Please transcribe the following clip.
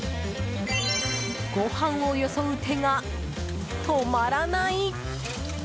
ご飯をよそう手が止まらない！